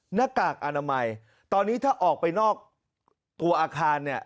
หน้ากากอนามัยตอนนี้ถ้าออกไปนอกตัวอาคารเนี่ย